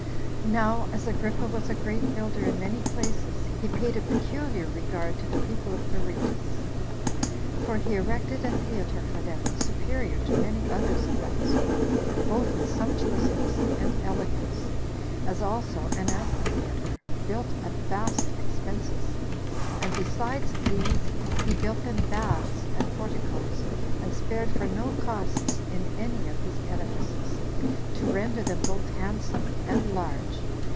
5. Now as Agrippa was a great builder in many places, he paid a peculiar regard to the people of Berytus; for he erected a theater for them, superior to many others of that sort, both in Sumptuousness and elegance, as also an amphitheater, built at vast expenses; and besides these, he built them baths and porticoes, and spared for no costs in any of his edifices, to render them both handsome and large.